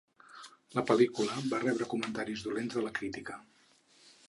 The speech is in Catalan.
La pel·lícula va rebre comentaris dolents de la crítica.